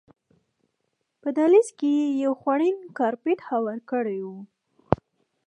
په دهلیز کې یې یو خوړین کارپېټ هوار کړی و.